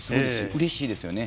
うれしいですよね。